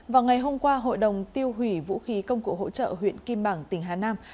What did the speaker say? vào ngày hôm qua hội đồng tiêu hủy vũ khí công cụ hỗ trợ huyện kim bảng tỉnh hà nam